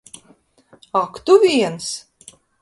Ak tu viens!